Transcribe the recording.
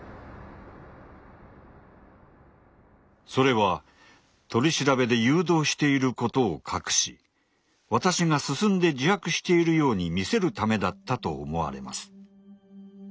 それは取り調べで誘導していることを隠し私が進んで自白しているように見せるためだったと思われます。